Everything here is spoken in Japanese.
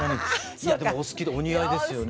いやでもお好きでお似合いですよね。